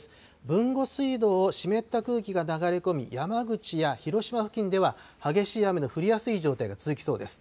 豊後水道を湿った空気が流れ込み、山口や広島付近では激しい雨の降りやすい状態が続きそうです。